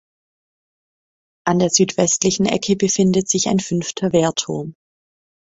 An der südwestlichen Ecke befindet sich ein fünfter Wehrturm.